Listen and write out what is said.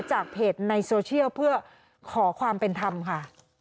จากเพจในโซเชียลเพื่อขอความเป็นธรรมค่ะ